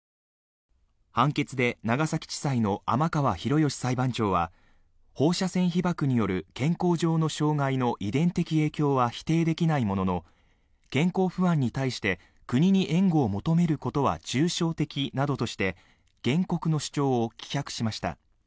判決で長崎地裁の天川博義裁判長は放射線被ばくによる健康上の障害の遺伝的影響は否定できないものの健康不安に対して国に援護を求めることは抽象的などとして原告の主張を棄却しました。